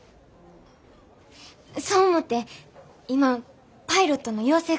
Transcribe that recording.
そう思て今パイロットの養成